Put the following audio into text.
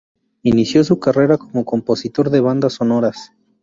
Inició su carrera como compositor de Bandas Sonoras.